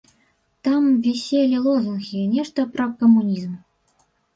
Там віселі лозунгі, нешта пра камунізм.